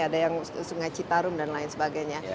ada yang sungai citarum dan lain sebagainya